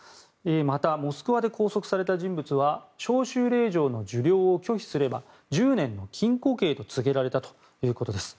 またモスクワで拘束された人物は招集令状の受領を拒否すれば１０年の禁固刑と告げられたということです。